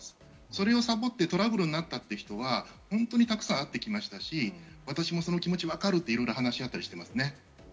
それをさぼってトラブルになった人は本当にたくさんあってきましたし、私もその気持ちわかるって話し合ったりしていますね。